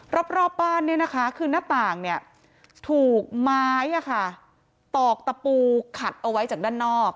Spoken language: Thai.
รอบบ้านเนี่ยนะคะคือหน้าต่างถูกไม้ตอกตะปูขัดเอาไว้จากด้านนอก